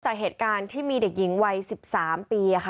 จากเหตุการณ์ที่มีเด็กหญิงวัย๑๓ปี